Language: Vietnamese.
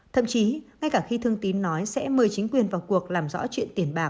thậm chí ngay cả khi thương tín nói sẽ mời chính quyền vào cuộc làm rõ chuyện tiền bạc